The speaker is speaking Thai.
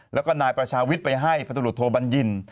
แล้วก็นายประชาวิทย์ไปให้พันธุรกิจโทบัญญิน